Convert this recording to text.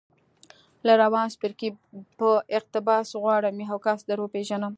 له روان څپرکي په اقتباس غواړم یو کس در وپېژنم